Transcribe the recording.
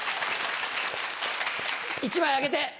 １枚あげて。